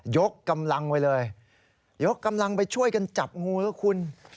ยกกำลังไว้เลยยกกำลังไปช่วยกันจับงูนะคุณ